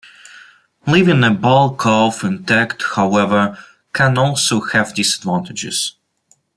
Leaving a bull calf intact however, can also have disadvantages.